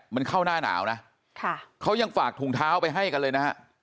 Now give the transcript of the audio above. มันเข้าหน้าหนาวนะเขายังฝากถุงเท้าไปให้กันเลยนะฮะ